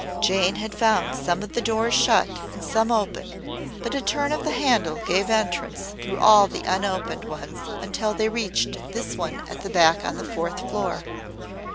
Jane had found some of the doors shut and some open, but a turn of the handle gave entrance through all the unopened ones until they reached this one at the back on the fourth floor.